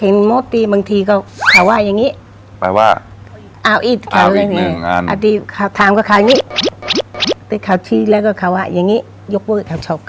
อังกฤษทานบางทีก็ขวาอย่างนี้